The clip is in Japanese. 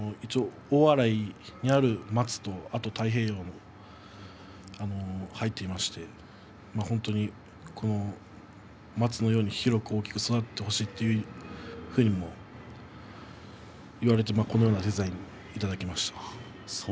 大洗にある松と太平洋も入っていまして本当に松のように広く大きく育ってほしいと言われてこのようなデザインをいただきました。